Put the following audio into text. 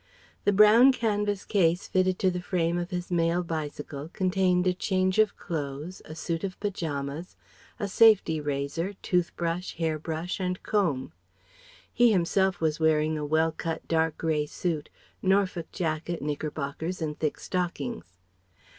The brown canvas case fitted to the frame of his male bicycle contained a change of clothes, a suit of paijamas, a safety razor, tooth brush, hair brush and comb. He himself was wearing a well cut dark grey suit Norfolk jacket, knickerbockers and thick stockings.